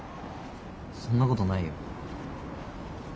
そんなことないよ。